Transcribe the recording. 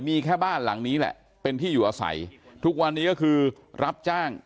มีแค่บ้านหลังนี้แหละเป็นที่อยู่อาศัยทุกวันนี้ก็คือรับจ้าง